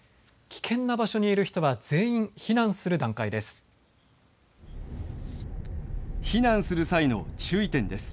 危険な場所にいる人は全員、避難する段階です。